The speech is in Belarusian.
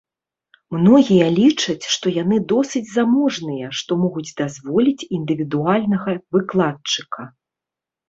Многія лічаць, што яны досыць заможныя, што могуць дазволіць індывідуальнага выкладчыка.